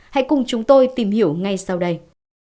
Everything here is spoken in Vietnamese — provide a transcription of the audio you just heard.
hãy cùng chúng tôi tìm hiểu ngay sau đây